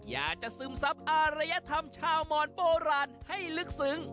ซึมซับอารยธรรมชาวหมอนโบราณให้ลึกซึ้ง